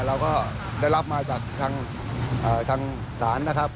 เราก็ได้รับมาจากทางศาลนะครับ